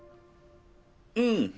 うん。